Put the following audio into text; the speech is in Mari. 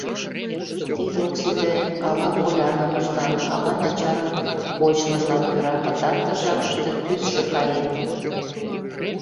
Тиде ок сите, ала колянымыжлан, ала начарын кочмыжлан кӧра пытартыш жапыште тӱсшӧ каен.